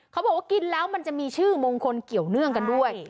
เขาบอกว่ากินแล้วมันจะมีชื่อมงคลเกี่ยวเนื่องกันด้วย